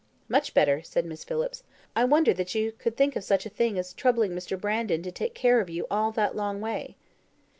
"Much better," said Miss Phillips. "I wonder that you could think of such a thing as troubling Mr. Brandon to take care of you all that long way."